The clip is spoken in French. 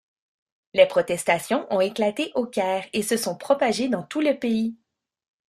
Les protestations ont éclaté au Caire et se sont propagées dans tout le pays.